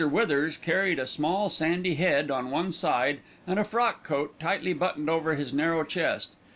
Withers carried a small sandy head on one side, and a frock coat tightly buttoned over his narrow chest.